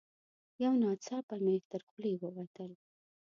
نو ناڅاپه مې تر خولې ووتل: